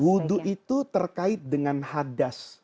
wudhu itu terkait dengan hadas